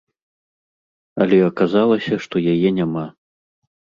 Але аказалася, што яе няма.